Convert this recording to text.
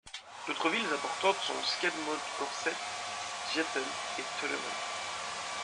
D'autres villes importantes sont Skedmokorset, Skjetten et Strømmen.